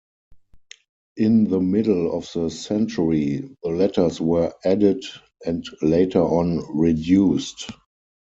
In the middle of the century the letters where added and later on reduced.